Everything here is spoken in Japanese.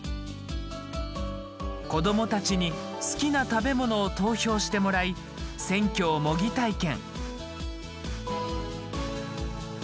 子どもたちに好きな食べ物を投票してもらい、選挙を模擬体験。